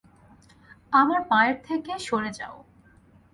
আমার মায়ের থেকে সরে যাও!